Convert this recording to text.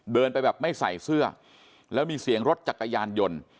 เดินไปแบบไม่ใส่เสื้อแล้วมีเสียงรถจักรยานยนต์